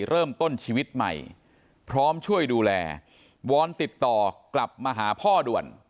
เริ่มต้นชีวิตใหม่พร้อมช่วยดูแลวอนติดต่อกลับมาหาพ่อด่วน